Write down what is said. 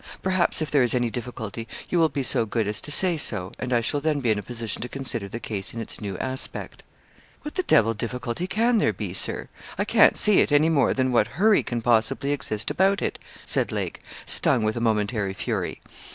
Perhaps, if there is any difficulty, you will be so good as to say so, and I shall then be in a position to consider the case in its new aspect.' 'What the devil difficulty can there be, Sir? I can't see it, any more than what hurry can possibly exist about it,' said Lake, stung with a momentary fury.